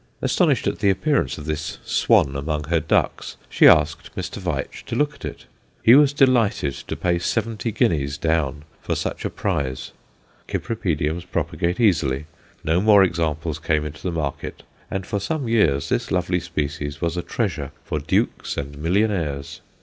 Astonished at the appearance of this swan among her ducks, she asked Mr. Veitch to look at it. He was delighted to pay seventy guineas down for such a prize. Cypripediums propagate easily, no more examples came into the market, and for some years this lovely species was a treasure for dukes and millionaires.